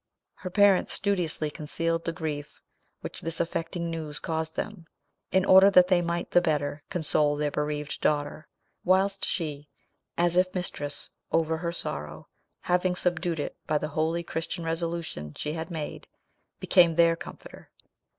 Her parents studiously concealed the grief which this affecting news caused them, in order that they might the better console their bereaved daughter; whilst she, as if mistress over her sorrow, having subdued it by the holy Christian resolution she had made, became their comforter.